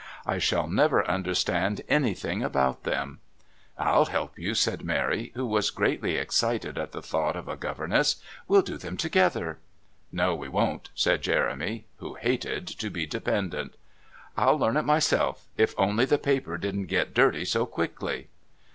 "I shall never understand anything about them." "I'll help you," said Mary, who was greatly excited at the thought of a governess. "We'll do them together." "No we won't," said Jeremy, who hated to be dependent. "I'll learn it myself if only the paper didn't get dirty so quickly."